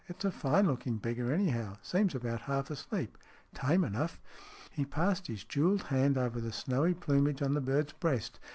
" It's a fine looking beggar, anyhow. Seems about half asleep. Tame enough." He passed his jewelled hand over the snowy plumage on the bird's breast.